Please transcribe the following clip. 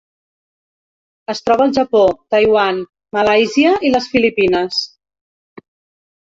Es troba al Japó, Taiwan, Malàisia i les Filipines.